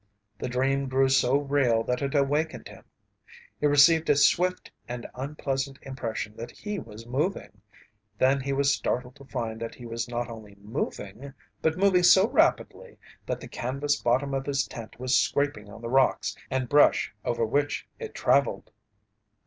The dream grew so real that it awakened him. He received a swift and unpleasant impression that he was moving, then he was startled to find that he was not only moving, but moving so rapidly that the canvas bottom of his tent was scraping on the rocks and brush over which it travelled.